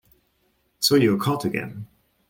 So you are caught again!